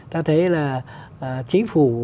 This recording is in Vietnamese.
ta thấy là chính phủ